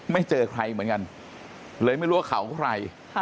ไม่เจอใครเหมือนกันเลยไม่รู้ว่าเขาใคร